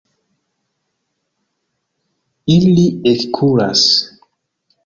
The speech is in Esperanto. Ili ekkuras.